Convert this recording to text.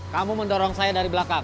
kamu mendorong saya dari belakang